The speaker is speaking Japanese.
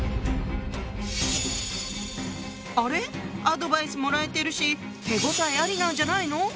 アドバイスもらえてるし手応えありなんじゃないの？